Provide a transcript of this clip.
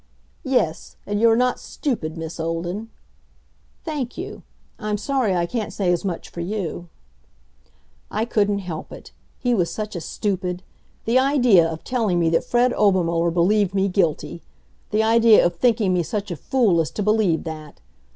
"Yes; and you're not stupid, Miss Olden." "Thank you. I'm sorry I can't say as much for you." I couldn't help it. He was such a stupid. The idea of telling me that Fred Obermuller believed me guilty! The idea of thinking me such a fool as to believe that!